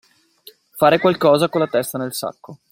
Fare qualcosa con la testa nel sacco.